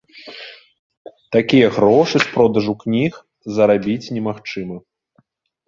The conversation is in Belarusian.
Такія грошы з продажу кніг зарабіць немагчыма.